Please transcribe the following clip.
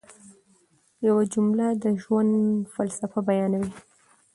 یوه جمله د ژوند فلسفه بیانوي.